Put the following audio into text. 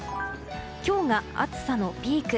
今日が暑さのピーク。